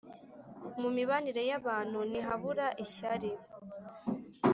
Mu mibanire y’abantu ntihabura ishyari